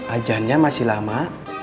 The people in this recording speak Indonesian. ajannya masih lama